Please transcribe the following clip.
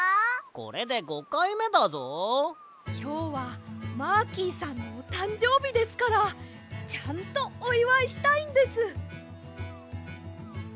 きょうはマーキーさんのおたんじょうびですからちゃんとおいわいしたいんです！